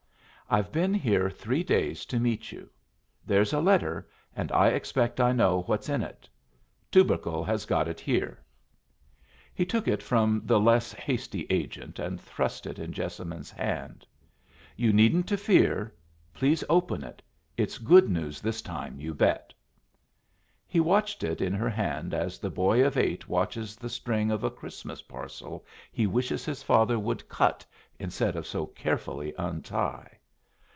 "I've been here three days to meet you. There's a letter, and I expect I know what's in it. Tubercle has got it here." He took it from the less hasty agent and thrust it in Jessamine's hand. "You needn't to fear. Please open it; it's good news this time, you bet!" He watched it in her hand as the boy of eight watches the string of a Christmas parcel he wishes his father would cut instead of so carefully untie.